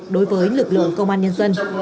đối với lực lượng công an nhân dân